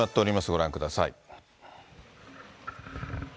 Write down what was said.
ご覧ください。